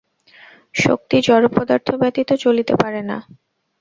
শক্তি জড়-পদার্থ ব্যতীত চলিতে পারে না।